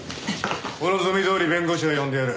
お望みどおり弁護士は呼んでやる。